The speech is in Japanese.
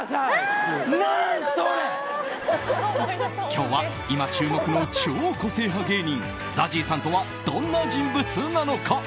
今日は今注目の超個性派芸人ＺＡＺＹさんとはどんな人物なのか。